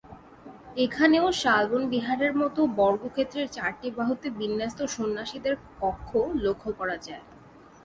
এখানেও শালবন বিহারের মতো বর্গক্ষেত্রের চারটি বাহুতে বিন্যস্ত সন্ন্যাসীদের কক্ষ লক্ষ করা যায়।